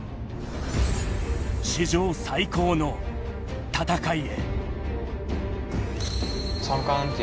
史上最高の戦いへ。